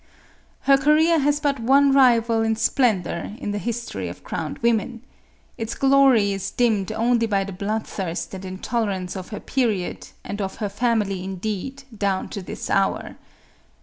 . Her career has but one rival in splendor, in the his tory of crowned women. Its glory is dimmed only by the bloodthirst and intolerance of her period, and of her family, indeed, down to this hour.